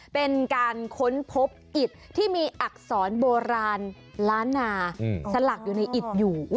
เป็นการค้นพบอิดที่มีอักษรโบราณล้านนาสลักอยู่ในอิดอยู่